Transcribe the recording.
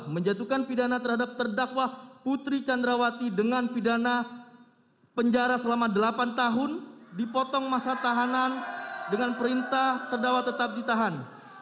dua menjatuhkan pidana terhadap terdakwa putri candrawati dengan pidana penjara selama delapan tahun dipotong masa tahanan dengan perintah terdakwa tetap ditahan